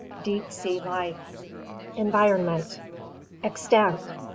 DEEP SEA LIFE Environment Extent.